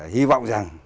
hy vọng rằng